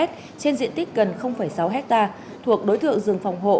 trên diện tích gần sáu hectare thuộc đối tượng rừng phòng hộ